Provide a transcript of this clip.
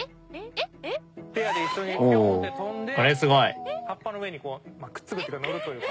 ペアで一緒にピョンッて跳んで葉っぱの上にこうくっつくというか乗るというか。